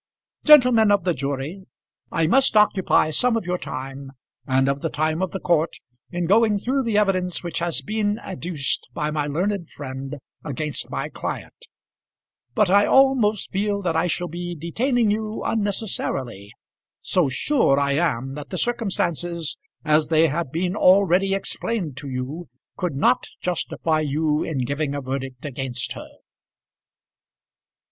Gentlemen of the jury, I must occupy some of your time and of the time of the court in going through the evidence which has been adduced by my learned friend against my client; but I almost feel that I shall be detaining you unnecessarily, so sure I am that the circumstances, as they have been already explained to you, could not justify you in giving a verdict against her."